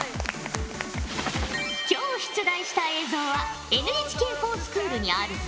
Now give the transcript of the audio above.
今日出題した映像はＮＨＫｆｏｒＳｃｈｏｏｌにあるぞ。